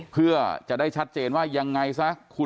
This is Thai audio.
เพื่อจะได้ชัดเจนว่ายังไงซะ